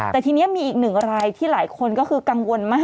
แต่ทีนี้มีอีกหนึ่งรายที่หลายคนก็คือกังวลมาก